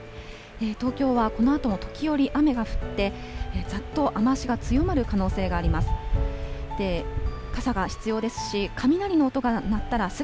東京は、このあとも時折雨が降ってざっと雨足が強まる可能性があります。